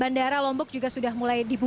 bandara lombok juga sudah mulai dibuka